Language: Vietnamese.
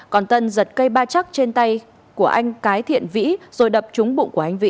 còn tân giật cây ba chắc trên tay của anh cái thiện vĩ rồi đập trúng bụng của anh vĩ